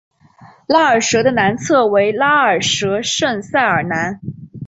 拉尔什的南侧为拉尔什圣塞尔南。